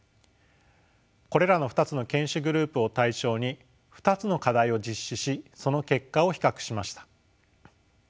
これらの２つの犬種グループを対象に２つの課題を実施しその結果を比較しました。